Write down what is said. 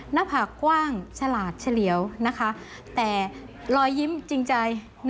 หน้าผากกว้างฉลาดเฉลี่ยวแต่รอยยิ้มจริงใจ